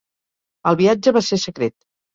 El viatge va ser secret.